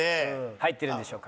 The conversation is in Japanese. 入ってるんでしょうか？